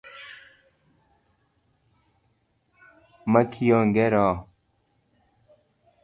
Ma kionge roho?